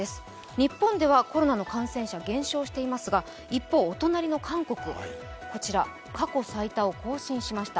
日本ではコロナの感染者、減少していますが一方、お隣の韓国、過去最多を更新しました。